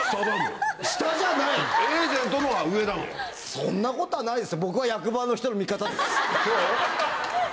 そんなことはないですよ。